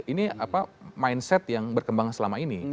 ini mindset yang berkembang selama ini